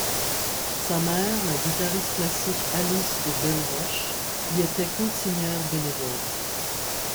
Sa mère, la guitariste classique Alice de Belleroche, y était cantinière bénévole.